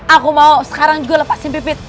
aku mau sekarang juga lepasin bibit